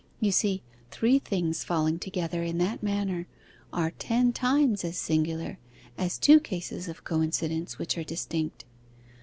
You see, three things falling together in that manner are ten times as singular as two cases of coincidence which are distinct.